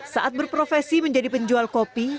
saat berprofesi menjadi penjual kopi